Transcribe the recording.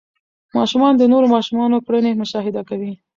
ماشومان د نورو ماشومانو کړنې مشاهده کوي.